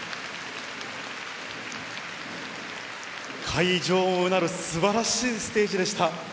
会場もうなるすばらしいステージでした。